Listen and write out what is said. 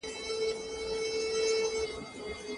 که ګوربت وي که زمری خوی یې د سپۍ وي